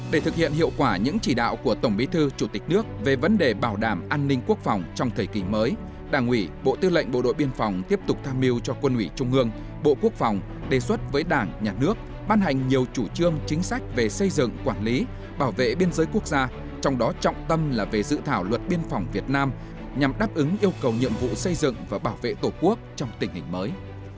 để thực hiện hiệu quả những chỉ đạo của tổng bí thư chủ tịch nước về vấn đề bảo đảm an ninh quốc phòng trong thời kỳ mới đảng ủy bộ tư lệnh bộ đội biên phòng tiếp tục tham mưu cho quân ủy trung ương bộ quốc phòng đề xuất với đảng nhà nước ban hành nhiều chủ trương chính sách về xây dựng quản lý bảo vệ biên giới quốc gia trong đó trọng tâm là về dự thảo luật biên phòng việt nam nhằm đáp ứng yêu cầu nhiệm vụ xây dựng và bảo vệ tổ quốc trong tình hình mới